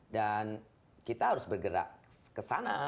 dan kita harus bergerak ke sana